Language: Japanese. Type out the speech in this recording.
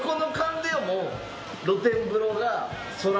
露天風呂が。